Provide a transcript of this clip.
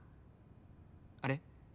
あれ？